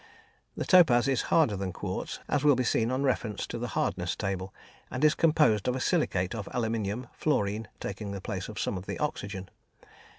The topaz is harder than quartz, as will be seen on reference to the "Hardness" table, and is composed of a silicate of aluminium, fluorine taking the place of some of the oxygen.